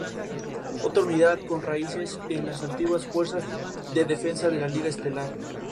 Otra unidad con raíces en las antiguas Fuerzas de Defensa de la Liga Estelar.